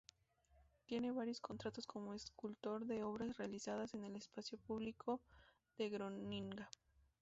Tiene varios contratos como escultor de obras realizadas en el espacio público de Groninga.